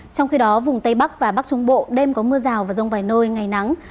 trong khi đó vùng tây bắc và bắc trung bộ đêm có mưa rào và rông vài nơi ngày nắng